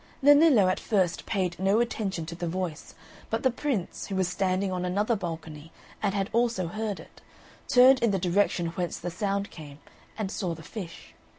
Nennillo at first paid no attention to the voice, but the Prince, who was standing on another balcony and had also heard it, turned in the direction whence the sound came, and saw the fish.